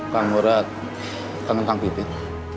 kak murad kangen kangen pipit